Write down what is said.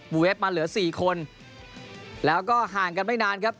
เวฟมาเหลือสี่คนแล้วก็ห่างกันไม่นานครับ